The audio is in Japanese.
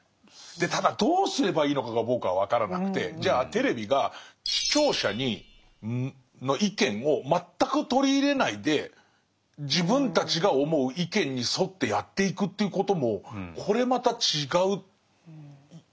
でただどうすればいいのかが僕は分からなくてじゃあテレビが視聴者の意見を全く取り入れないで自分たちが思う意見に沿ってやっていくということもこれまた違うでしょ？